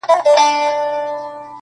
• یوه ورځ به خپلي غوښي تر دېګدان وړي -